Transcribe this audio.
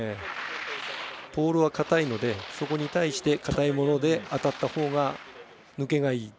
ポールはかたいのでそこに対してかたいもので当たったほうが抜けがいい。